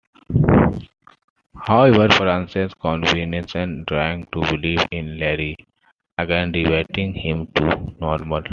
However, Frances convinces Darwin to believe in Larry again, reverting him to normal.